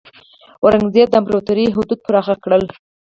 اورنګزیب د امپراتورۍ حدود پراخ کړل.